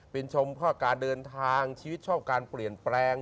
เป็นชมพ่อการเดินทางชีวิตชอบการเปลี่ยนแปลง